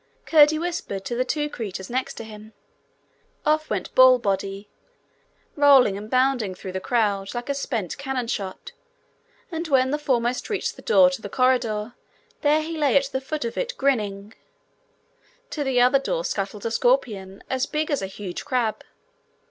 Curdie whispered to the two creatures next him. Off went Ballbody, rolling and bounding through the crowd like a spent cannon shot, and when the foremost reached the door to the corridor, there he lay at the foot of it grinning; to the other door scuttled a scorpion, as big as a huge crab.